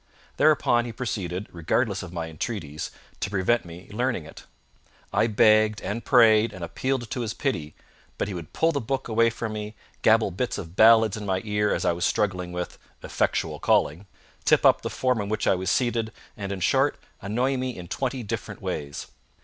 Thereupon he proceeded, regardless of my entreaties, to prevent me learning it. I begged, and prayed, and appealed to his pity, but he would pull the book away from me, gabble bits of ballads in my ear as I was struggling with Effectual Calling, tip up the form on which I was seated, and, in short, annoy me in twenty different ways.